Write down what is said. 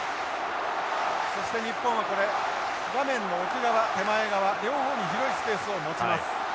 そして日本はこれ画面の奥側手前側両方に広いスペースを持ちます。